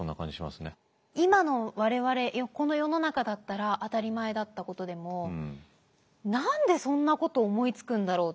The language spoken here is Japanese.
今の我々この世の中だったら当たり前だったことでも何でそんなことを思いつくんだろうって。